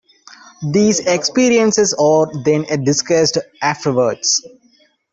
These experiences are then discussed afterwards.